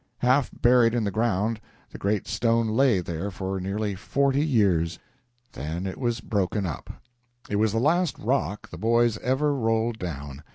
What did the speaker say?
Half buried in the ground, the great stone lay there for nearly forty years; then it was broken up. It was the last rock the boys ever rolled down.